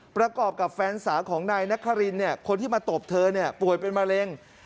ประกอบกับแฟนสาวของนายนครินคนที่มาตบเธอป่วยเป็นมะเร็ง